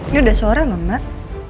ini udah sore lah mbak